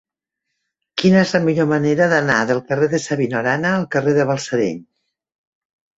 Quina és la millor manera d'anar del carrer de Sabino Arana al carrer de Balsareny?